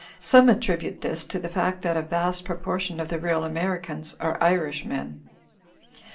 Some attribute this to the fact that a vast proportion of the real Americans are Irishmen."